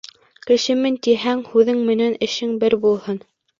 Кешемен тиһәң, һүҙең менән эшең бер булһын.